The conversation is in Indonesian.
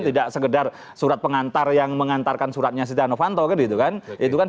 tidak sekedar surat pengantar yang mengantarkan suratnya setia novanto kan gitu kan